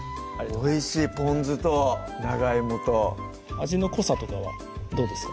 おいしいぽん酢と長いもと味の濃さとかはどうですか？